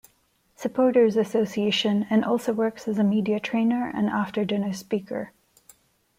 Supporters' Association and also works as a media-trainer and after-dinner speaker.